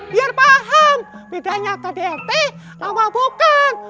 biar paham bedanya ke dlt sama bukan